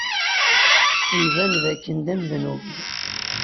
Iban dakken d amednub.